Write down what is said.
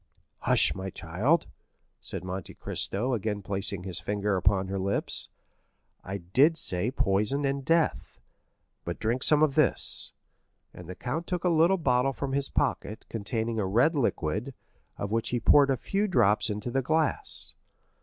50071m "Hush, my child," said Monte Cristo, again placing his finger upon her lips, "I did say poison and death. But drink some of this;" and the count took a bottle from his pocket, containing a red liquid, of which he poured a few drops into the glass.